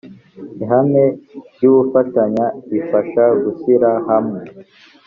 ihame ry ‘ubufatanye rifasha gushyira hamwe .